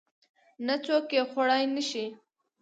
نه څوک يې خوړى نشي.